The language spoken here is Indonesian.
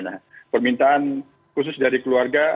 nah permintaan khusus dari keluarga